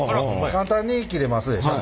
簡単に切れますでしょ？